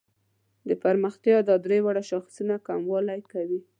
د پرمختیا دا درې واړه شاخصونه کموالي کوي.